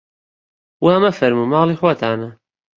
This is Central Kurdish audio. وا مەفەرموو ماڵی خۆتانە